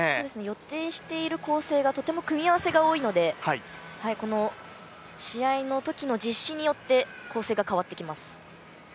予定している構成がとても組み合わせが多いので、この試合のときの実施によって構成が変わってきます。